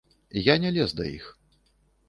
Я не лез да іх.